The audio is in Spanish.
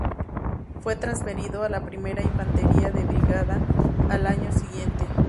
Fue transferido a la Primera Infantería de Brigada al año siguiente.